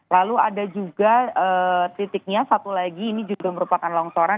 lalu ada juga titiknya satu lagi ini juga merupakan longsoran